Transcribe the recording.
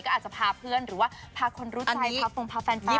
ก็อาจจะพาเพื่อนหรือว่าพาคนรู้ใจพาฝูงพาแฟนไฟ